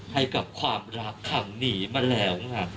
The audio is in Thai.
ให้กับความรักขังหนีมาแล้ว